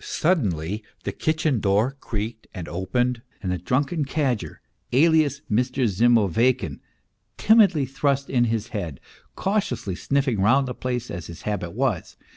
Sud denly the kitchen door creaked and opened, and the drunken cadger alias Mr. Zimoveykin timidly thrust in his head, 276 MR. PROHARTCHIN cautiously sniffing round the place as his habit was.